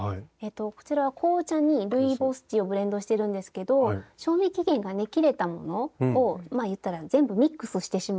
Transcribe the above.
こちらは紅茶にルイボスティーをブレンドしてるんですけど賞味期限がね切れたものをまあ言ったら全部ミックスしてしまって。